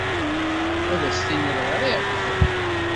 Ad as-tiniḍ ɣriɣ-d?